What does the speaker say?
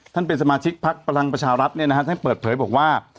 ท่านเป็นสมาชิกภักดิ์ประหลังประชารัฐท่านเปิดเผยบอกว่า